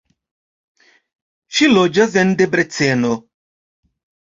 Ŝi loĝas en Debreceno.